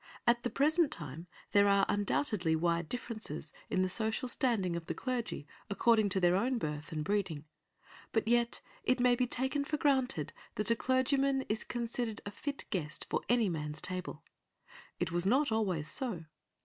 At the present time there are undoubtedly wide differences in the social standing of the clergy according to their own birth and breeding, but yet it may be taken for granted that a clergyman is considered a fit guest for any man's table. It was not always so.